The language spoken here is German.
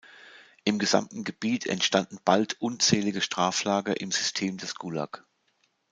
Im gesamten Gebiet entstanden bald unzählige Straflager im System des Gulag.